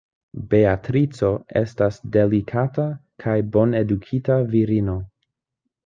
Beatrico estas delikata kaj bonedukita virino.